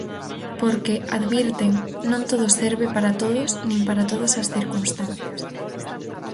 Porque, advirten, non todo serve para todos nin para todas as circunstancias.